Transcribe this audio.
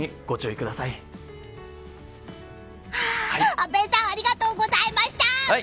阿部さんありがとうございました！